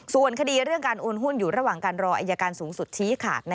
ส่วนคดีเรื่องการโอนหุ้นอยู่ระหว่างการรออายการสูงสุดชี้ขาด